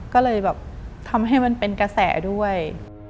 ก็เลยแบบทำให้มันเป็นกระแสด้วย